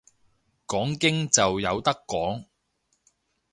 講經就有得講